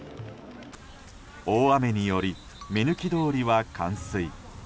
大雨により目抜き通りは冠水。